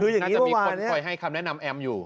น่าจะมีคนคอยให้คำแนะนำแอมอยู่